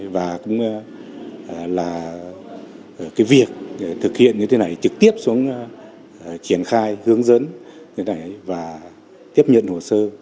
và cũng là cái việc thực hiện như thế này trực tiếp xuống triển khai hướng dẫn thế này và tiếp nhận hồ sơ